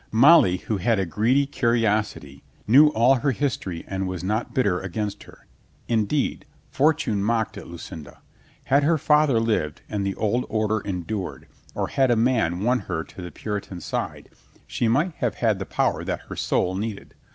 Molly, who had a greedy curiosity, knew all her history and was not bitter against her. Indeed, fortune mocked at Lucinda; had her father lived and the old order endured, or had a man won her to the Puritan side, she might have had the power that her soul needed.